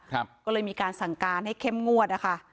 ก็เลยมีการสั่งการให้เข้มงวดนะคะ